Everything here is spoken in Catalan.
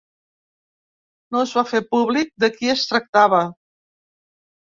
No es va fer públic de qui es tractava.